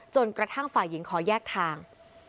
จนกระทั่งฝ่ายหญิงขอแยกทาง